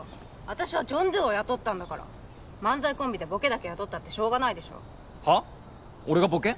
私はジョン・ドゥを雇ったんだから漫才コンビでボケだけ雇ったってしょうがないでしょはっ？俺がボケ？